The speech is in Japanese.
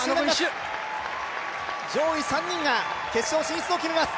上位３人が決勝進出を決めます。